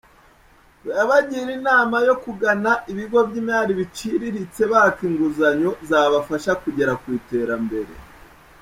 Yabagiriye inama yo kugana ibigo by’imali biciriritse baka inguzanyo zabafasha kugera ku iterambere.